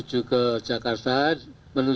tapi kita harus tarik memori